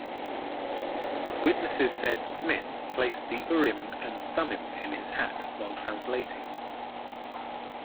Witnesses said Smith placed the Urim and Thummim in his hat while translating.